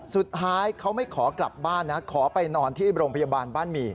สุดท้ายเขาไม่ขอกลับบ้านนะขอไปนอนที่โรงพยาบาลบ้านหมี่